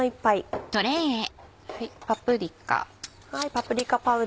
パプリカ。